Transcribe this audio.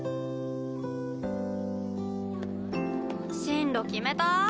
進路決めた？